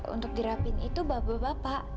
untuk dirapin itu bapak bapak